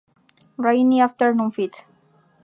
Rainy Afternoon feat.